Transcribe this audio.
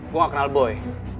gue gak kenal boy